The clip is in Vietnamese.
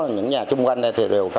những nhà chung quanh đây thì đều